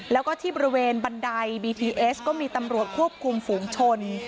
แล้วก็ที่บริเวณบันไดบีทีเอสก็มีตำรวจควบคุมฝูงชน